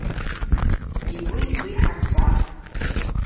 Йгвы йту йхӏырхӏвапӏ.